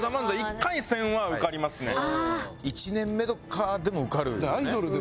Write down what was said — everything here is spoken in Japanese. １年目とかでも受かるよね？